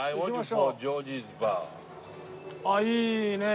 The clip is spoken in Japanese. あっいいねえ。